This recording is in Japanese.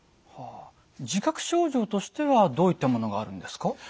自覚症状としてはどういったものがあるんですか？